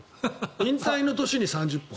引退の年に３０本。